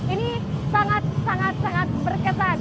ini sangat sangat berkesan